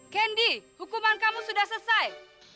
kendi hukuman kamu sudah selesai